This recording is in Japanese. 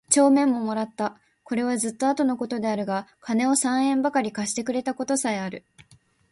帳面も貰つた。是はずつと後の事であるが金を三円許り借してくれた事さへある。